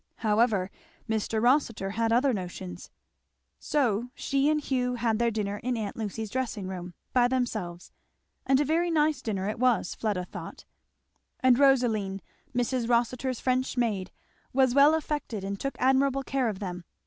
However, Mr. Rossitur had other notions. So she and Hugh had their dinner in aunt Lucy's dressing room, by themselves; and a very nice dinner it was, Fleda thought; and Rosaline, Mrs. Rossitur's French maid, was well affected and took admirable care of them.